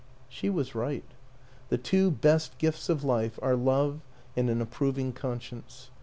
She was right; the two best gifts of life are love and an approving conscience.